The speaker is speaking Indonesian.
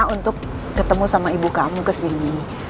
untuk ketemu sama ibu kamu kesini